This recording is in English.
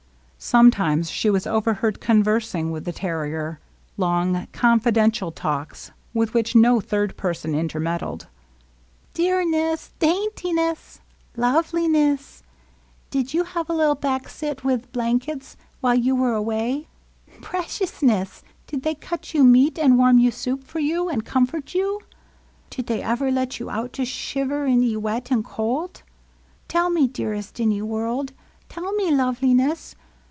Sometimes she was overheard conversing with the terrier, — long, confidential talks, with which no third person intermeddled. " Deamess ! Daintiness ! Loveliness ! Did you have a little baxet with blankets while you were away ? Preciousness ! Did they cut you meat and warm you soup for you, and comfort you? Did they ever let you out to shi shiver in 'e wet and cold? Tell me, Dearest in 'e World ! Tell me, Love li ness